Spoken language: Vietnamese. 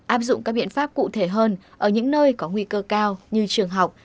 áp dụng các biện pháp cụ thể hơn ở những nơi có nguy cơ cao như trường học